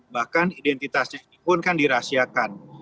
bahkan identitasnya ini pun kan dirahasiakan